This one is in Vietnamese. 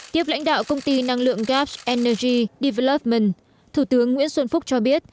tiếp lãnh đạo công ty năng lượng gaps energy development thủ tướng nguyễn xuân phúc cho biết